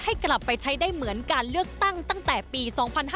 ให้กลับไปใช้ได้เหมือนการเลือกตั้งตั้งแต่ปี๒๕๕๙